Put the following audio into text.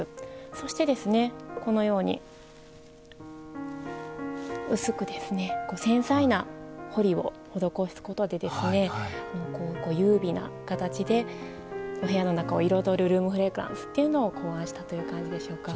そして、薄く繊細な彫りを施すことで優美な形でお部屋の中を彩るルームフレグランスを考案したという感じでしょうか。